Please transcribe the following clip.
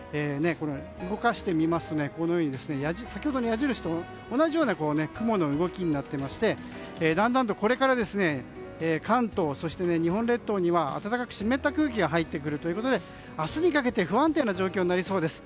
動かしてみますと先ほどの矢印と同じような雲の動きになっていましてだんだんとこれから関東、そして日本列島には暖かく湿った空気が入ってくるということで明日にかけて不安定な状況になりそうです。